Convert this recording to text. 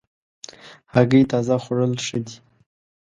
هګۍ تازه خوړل ښه دي.